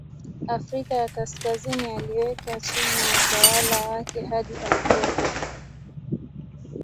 Afrika ya Kaskazini aliweka chini ya utawala wake hadi Algeria.